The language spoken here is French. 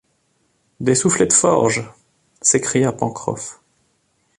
Des soufflets de forge! s’écria Pencroff.